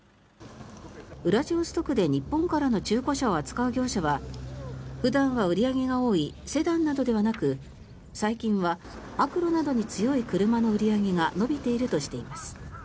ウラジオストクで日本からの中古車を扱う業者は普段は売り上げが多いセダンなどではなく最近は悪路などに強い車の売り上げが伸びているとしています。